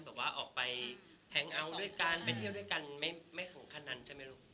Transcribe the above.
แบบว่าออกไปแฮงเอาท์ด้วยกันไปเที่ยวด้วยกันไม่ถึงขั้นนั้นใช่ไหมลูก